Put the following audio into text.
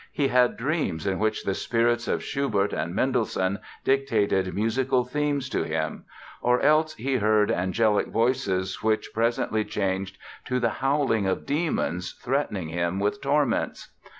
He had dreams in which the spirits of Schubert and Mendelssohn dictated musical themes to him; or else he heard angelic voices which presently changed to the howling of demons threatening him with torments.